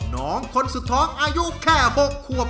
น้องคนสุดท้องอายุแค่๖ขวบ